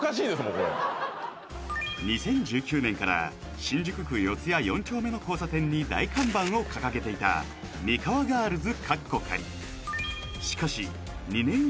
これ２０１９年から新宿区四谷四丁目の交差点に大看板を掲げていたミカワガールズ